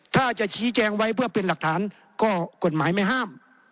ถ้าจะชี้แจงไว้เพื่อเป็นหลักฐานก็กฎหมายไม่ห้าม